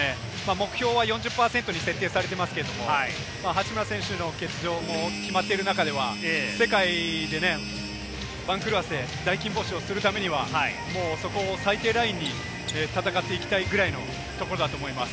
目標は４０％に設定されていますが、八村選手の欠場も決まっている中では、世界で番狂わせ、大金星をするためにはそこを最低ラインに戦っていきたいくらいのところだと思います。